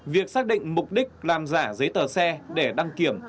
việc xác định mục đích làm giả giấy tờ xe để đăng kiểm